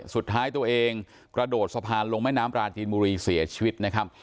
สุดท้ายตัวเองกระโดดสะพานลงแม่น้ำปลาจีนบุรีเสียชีวิตนะครับ